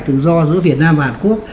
tự do giữa việt nam và hàn quốc